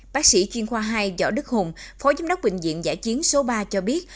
bác sĩ chuyên khoa hai võ đức hùng phó giám đốc bệnh viện giả chiến số ba cho biết